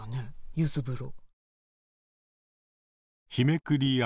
ゆず風呂。